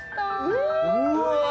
うわ！